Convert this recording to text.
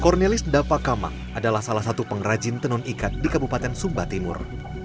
cornelis dapakamang adalah salah satu pengrajin tenun ikat di kabupaten sumba timur